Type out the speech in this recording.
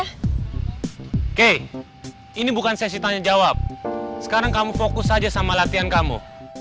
oke ini bukan sesi tanya jawab sekarang kamu fokus aja sama latihan kamu